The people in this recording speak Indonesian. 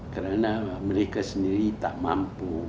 karena mereka sendiri tak mampu